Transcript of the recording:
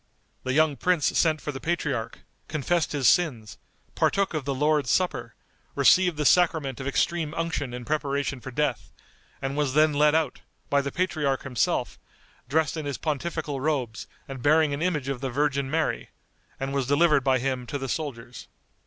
The young prince sent for the patriarch, confessed his sins, partook of the Lord's Supper, received the sacrament of extreme unction in preparation for death, and was then led out, by the patriarch himself, dressed in his pontifical robes and bearing an image of the Virgin Mary, and was delivered by him to the soldiers.